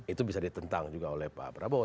itu bisa ditentang juga oleh pak prabowo